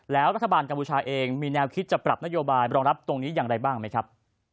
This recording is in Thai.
แล้วรัฐบาลกัมพูชาเองมีแนวคิดจะปรับนโยบายรองรับตรงนี้อย่างไรบ้างไหมครับ